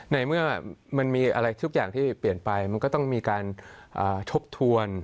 ในเมื่อมันมีอะไรทุกอย่างที่เปลี่ยนไปมันก็ต้องมีการทบทวน